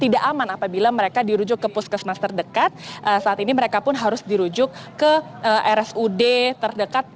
tidak aman apabila mereka dirujuk ke puskesmas terdekat saat ini mereka pun harus dirujuk ke rsud terdekat